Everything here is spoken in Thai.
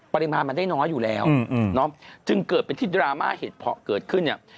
ปริมาณมันได้น้อยอยู่แล้วจึงเกิดเป็นที่ดราม่าเหตุเพาะเกิดขึ้นเนี่ย